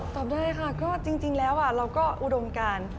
ตอบได้ค่ะก็จริงแล้วเราก็อุดมการ